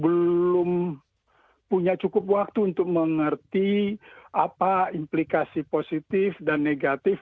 belum punya cukup waktu untuk mengerti apa implikasi positif dan negatif